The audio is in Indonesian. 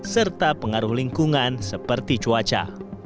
serta pengaruh lingkungan seperti cuaca